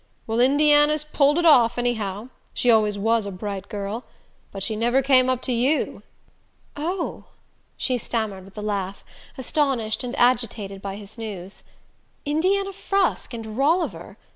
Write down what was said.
Well, Indiana's pulled it off, anyhow; she always WAS a bright girl. But she never came up to you." "Oh " she stammered with a laugh, astonished and agitated by his news. Indiana Frusk and Rolliver!